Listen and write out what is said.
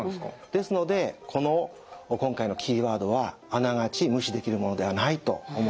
ですのでこの今回のキーワードはあながち無視できるものではないと思います。